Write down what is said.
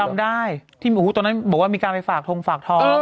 จำได้ที่ตอนนั้นบอกว่ามีการไปฝากทงฝากทอง